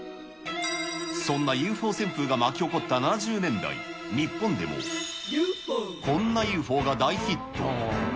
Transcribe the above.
そんなＵＦＯ旋風が巻き起こった７０年代、日本でもこんなＵＦＯが大ヒット。